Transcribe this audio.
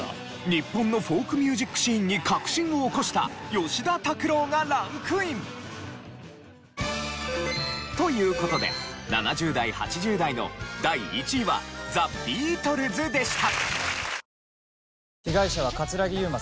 日本のフォークミュージックシーンに革新を起こした吉田拓郎がランクイン。という事で７０代８０代の第１位はＴｈｅＢｅａｔｌｅｓでした。